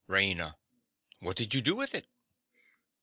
RAINA. What did you do with it?